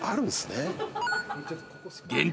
［限定